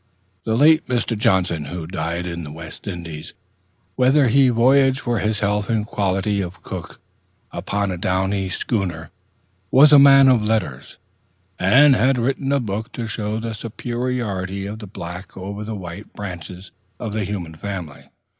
The late Mr. Johnson, who had died in the West Indies, whither he voyaged for his health in quality of cook upon a Down East schooner, was a man of letters, and had written a book to show the superiority of the black over the white branches of the human family.